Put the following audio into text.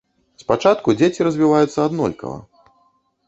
Спачатку дзеці развіваюцца аднолькава.